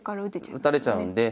打たれちゃうんで。